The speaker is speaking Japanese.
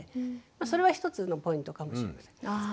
それは一つのポイントかもしれません。